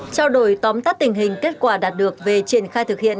trao đổi tóm tắt tình hình kết quả đạt được về triển khai thực hiện